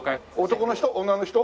男の人？